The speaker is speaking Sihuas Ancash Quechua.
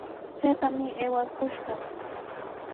¡Chaypami aywakushqa!